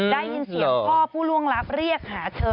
ได้ยินเสียงพ่อผู้ล่วงลับเรียกหาเธอ